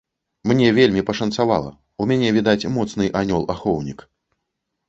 Мне вельмі пашанцавала, у мяне, відаць, моцны анёл-ахоўнік.